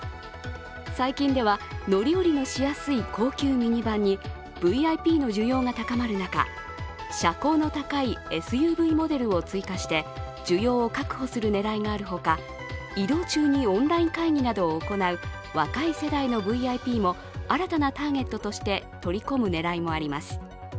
最近では乗り降りのしやすい高級ミニバンにＶＩＰの需要が高まる中車高の高いＳＵＶモデルを追加して需要を確保する狙いがあるほか移動中にオンライン会議などを行う若い世代のＶＩＰも新たなターゲットとして取り込む狙いもあります。